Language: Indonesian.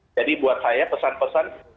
jadi buat saya pesan pesan